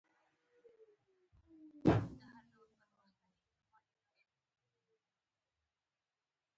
دا لارښود هېڅکله غلی نه پاتې کېږي.